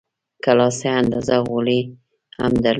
کلا څه اندازه غولی هم درلود.